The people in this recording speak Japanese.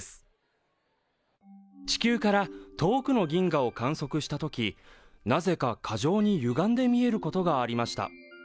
地球から遠くの銀河を観測した時なぜか過剰にゆがんで見えることがありました。